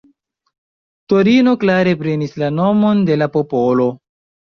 Torino klare prenis la nomon de la popolo.